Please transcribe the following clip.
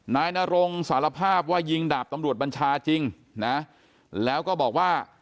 นายนรงสารภาพว่ายิงดาบตำรวจบัญชาจริงนะแล้วก็บอกว่า